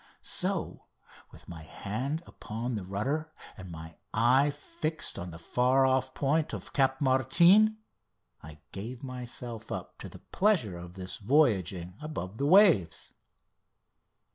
So with my hand upon the rudder and my eye fixed on the far off point of Cap Martin I gave myself up to the pleasure of this voyaging above the waves.